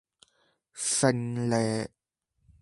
升呢